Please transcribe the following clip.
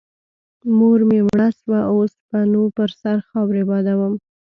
مور مې مړه سوه اوس به نو پر سر خاورې بادوم.